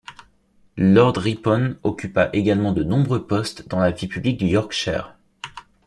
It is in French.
Lord Ripon occupa également de nombreux postes dans la vie publique du Yorkshire.